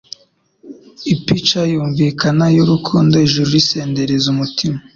ipica yumvikana y'urukundo ijuru risendereza umutima